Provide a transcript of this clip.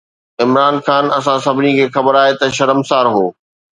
عمران خان، اسان سڀني کي خبر آهي ته شرمسار هو.